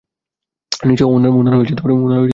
নিচু হও, ওনারা আমাদের দেখে ফেলবে।